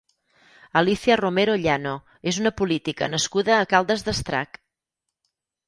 Alícia Romero Llano és una política nascuda a Caldes d'Estrac.